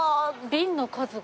ビンの数が。